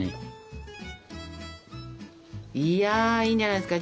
いやいいんじゃないですか？